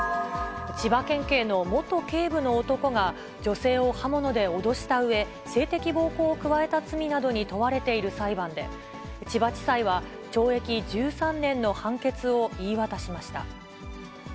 千葉県警の元警部の男が、女性を刃物で脅したうえ、性的暴行を加えた罪などに問われている裁判で、千葉地裁は、懲役１３年の判決を言い渡しました。